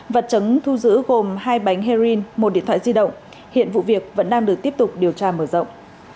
vật chứng thu giữ gồm hai bánh heroin một điện thoại di động hiện vụ việc vẫn đang được tiếp tục điều tra mở rộng